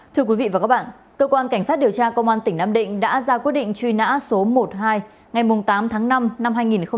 thưa quý vị và các bạn cơ quan cảnh sát điều tra công an tỉnh nam định đã ra quyết định truy nã số một hai ngày tám tháng năm năm hai nghìn sáu